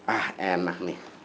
ah enak nih